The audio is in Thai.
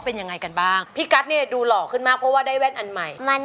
ต้องมีอีกสักวัน